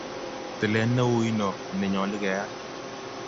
Tilet ne ui no ne nyalu keyai